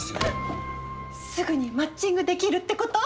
すぐにマッチングできるってこと？